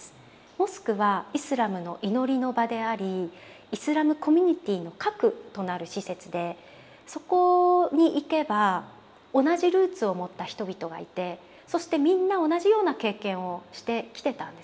モスクはイスラムの祈りの場でありイスラムコミュニティーの核となる施設でそこに行けば同じルーツを持った人々がいてそしてみんな同じような経験をしてきてたんですよね。